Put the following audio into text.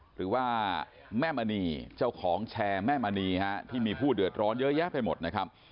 หรือว่าแม่มณีเจ้าของแชร์แม่มณีที่มีผู้เดือดร้อนเยอะแยะไปหมดนะครับ